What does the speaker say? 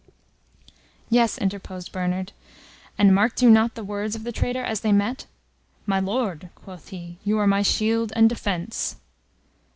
"Yes," interposed Bernard. "And marked you not the words of the traitor, as they met? 'My Lord,' quoth he, 'you are my shield and defence.'